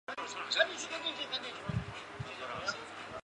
三脉紫麻为荨麻科长梗紫麻属下的一个种。